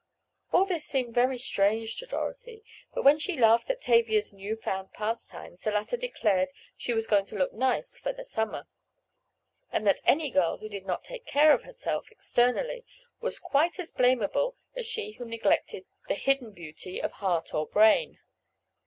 All this seemed very strange to Dorothy, but when she laughed at Tavia's new found pastimes the latter declared she was going to look nice for the summer; and that any girl who did not take care of herself externally was quite as blamable as she who neglected the hidden beauty of heart or brain.